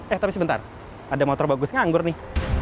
eh tapi sebentar ada motor bagus nganggur nih